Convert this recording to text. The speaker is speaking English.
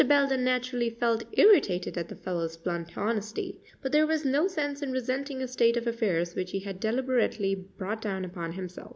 Belden naturally felt irritated at the fellow's blunt honesty, but there was no sense in resenting a state of affairs which he had deliberately brought down upon himself.